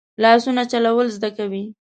لاسونه چلول زده کوي